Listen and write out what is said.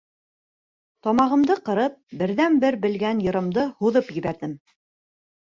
Тамағымды ҡырып, берҙән-бер белгән йырымды һуҙып ебәрҙем: